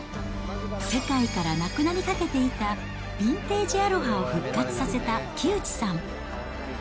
世界からなくなりかけていたビンテージアロハを復活させた木内さん。